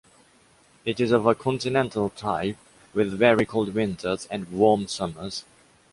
It is of a continental type, with very cold winters and warm summers.